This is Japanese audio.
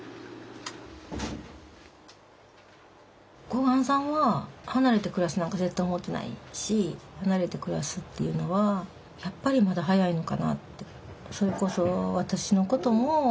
小雁さんは離れて暮らすなんか絶対思ってないし離れて暮らすっていうのはやっぱりまだ早いのかなって。